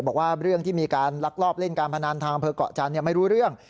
บอกว่าเรื่องที่มีการลักลอบเล่นการพนันทางอำเภอกเกาะจันทร์ไม่รู้เรื่อง